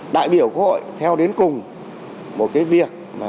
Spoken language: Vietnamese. đại biểu quốc hội theo đến cùng một cái việc